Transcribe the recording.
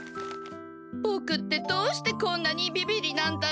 ボクってどうしてこんなにビビリなんだろう。